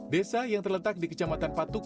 desa yang terletak di kecamatan patuk